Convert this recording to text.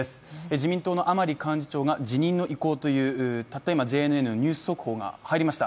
自民党の甘利幹事長が辞任の意向というたった今、ＪＮＮのニュース速報が入りました。